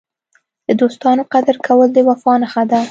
د دوستانو قدر کول د وفا نښه ده.